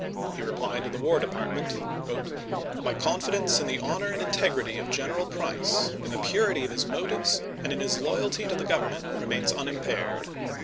He replied to the War Department : My confidence in the honor and integrity of General Price, in the purity of his motives, and in his loyalty to the Government remains unimpaired.